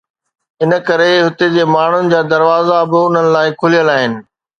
ان ڪري هتي جي ماڻهن جا دروازا به انهن لاءِ کليل آهن.